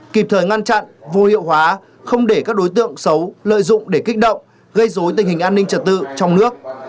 kịp thời ngăn chặn vô hiệu hóa không để các đối tượng xấu lợi dụng để kích động gây dối tình hình an ninh trật tự trong nước